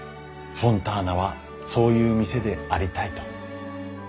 「フォンターナはそういう店でありたい」と。